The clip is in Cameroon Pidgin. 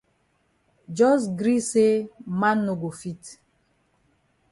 Jos gree say man no go fit.